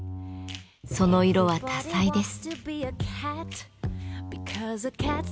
その色は多彩です。